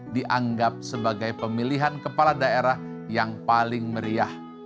dianggap sebagai pemilihan kepala daerah yang paling meriah